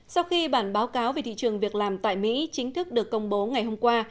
sau khi bản báo cáo về thị trường việc làm tại mỹ chính thức được công bố ngày hôm qua